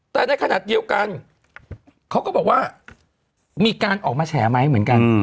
แต่ในขณะเดียวกันเขาก็บอกว่ามีการออกมาแฉไหมเหมือนกัน